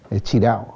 để chỉ đạo